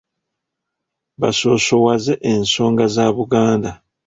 Basoosowaze ensonga za Buganda.